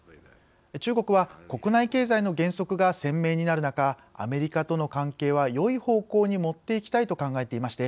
中国は国内経済の減速が鮮明になる中アメリカとの関係はよい方向に持っていきたいと考えていまして